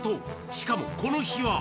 しかもこの日は。